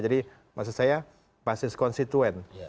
jadi maksud saya basis konstituen